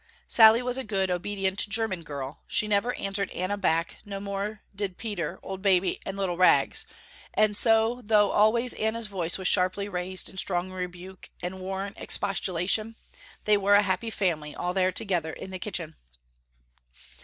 Sallie was a good, obedient german child. She never answered Anna back, no more did Peter, old Baby and little Rags and so though always Anna's voice was sharply raised in strong rebuke and worn expostulation, they were a happy family all there together in the kitchen.